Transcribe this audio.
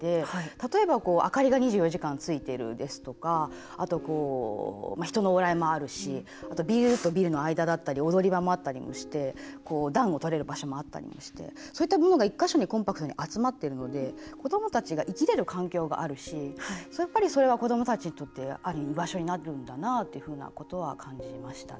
例えば、明かりが２４時間ついているですとかあと、人の往来もあるしビルとビルの間だったり踊り場もあったりもして暖をとれる場所もあったりもしてそういったものが１か所にコンパクトに集まっているので子どもたちが生きれる環境があるし、やっぱりそれは子どもたちにとってある意味、居場所になるんだなというふうなことは感じましたね。